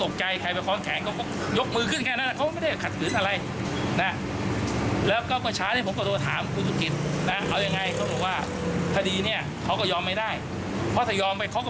กระทำรุนแรงเกินกว่าเหตุปฏิบัติหน้าที่โดยมิชอบตามมาตรา๑๕๗ค่ะ